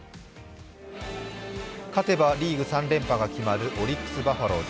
勝てばリーグ３連覇が決まるオリックス・バファローズ。